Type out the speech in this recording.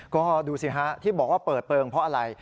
ก็ดูสิฮะที่บอกว่าเปิดเปลืองเพราะอะไร